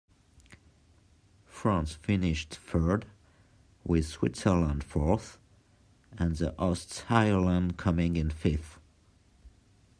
France finished third, with Switzerland fourth and the hosts Ireland coming in fifth.